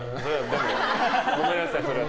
ごめんなさい、それは。